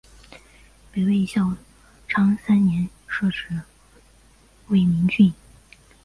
北魏孝昌三年设置魏明郡。